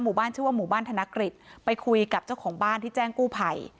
หมู่บ้านชื่อว่าหมู่บ้านธนกฤษไปคุยกับเจ้าของบ้านที่แจ้งกู้ภัย